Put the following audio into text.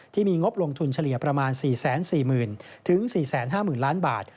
งบลงทุนเฉลี่ยประมาณ๔๔๐๐๐๔๕๐๐๐ล้านบาท